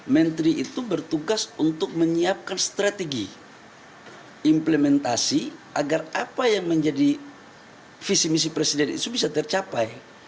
menteri itu bertugas untuk menyiapkan strategi implementasi agar apa yang menjadi visi misi presiden itu bisa tercapai